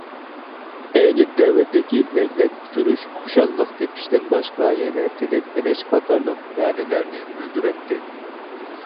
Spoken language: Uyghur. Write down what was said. ئەينى دەۋردىكى لەگلەك ئۇچۇرۇش خۇشاللىق تېپىشتىن باشقا يەنە تىلەك تىلەش قاتارلىق مەنىلەرنى بىلدۈرەتتى.